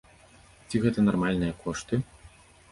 Ці гэта нармальныя кошты?